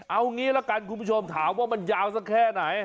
เอางี้ละกันคุณผู้ชมถามว่ามันยาวสักแค่ไหน